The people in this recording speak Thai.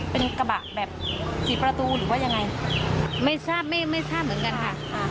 เป็นกระบะแบบกี่ประตูหรือว่ายังไงไม่ทราบไม่ไม่ทราบเหมือนกันค่ะ